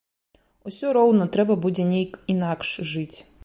Усё роўна трэба будзе нейк інакш жыць.